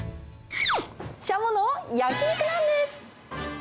シャモの焼き肉なんです。